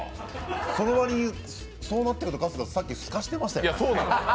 その割に、そうなってくると春日、さっきすかしてましたね。